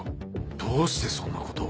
どうしてそんなことを？